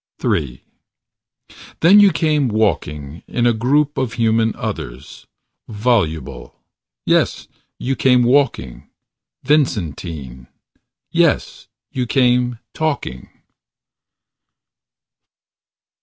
III Then you came walking. In a group Of human others. Voluble . Yes: you came walking, Vincentine . Yes: you came talking.